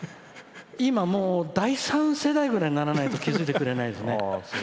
今、第三世代ぐらいにならないと気付いてくれないですね。